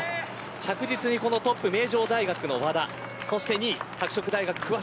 着実にトップ名城大学の和田そして２位、拓殖大学、不破